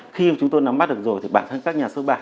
khi chúng tôi nắm mắt được rồi bản thân các nhà sơ bản